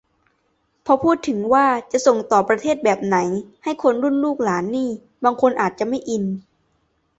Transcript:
พอพูดถึงว่าจะส่งต่อประเทศแบบไหนให้คนรุ่นลูกหลานนี่บางคนอาจจะไม่อิน